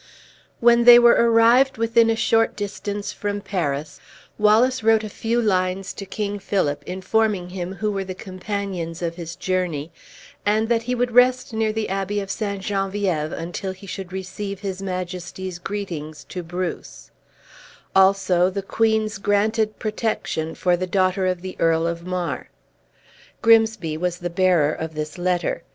When they were arrived within a short distance from Paris, Wallace wrote a few lines to King Philip, informing him who were the companions of his journey, and that he would rest near the Abbey of St. Genevieve until he should receive his majesty's greetings to Bruce; also the queen's granted protection for the daughter of the Earl of Mar. Grimsby was the bearer of this letter.